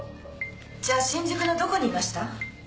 じゃ新宿のどこにいました？